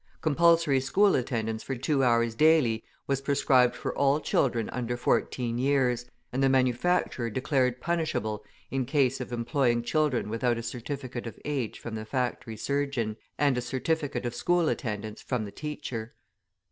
Compulsory school attendance two hours daily was prescribed for all children under fourteen years, and the manufacturer declared punishable in case of employing children without a certificate of age from the factory surgeon, and a certificate of school attendance from the teacher.